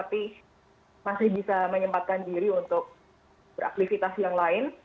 tapi masih bisa menyempatkan diri untuk beraktivitas yang lain